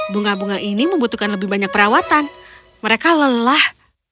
bunga bunga ini membutuhkan lebih banyak perawatan mereka lelah